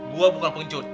gue bukan pengcut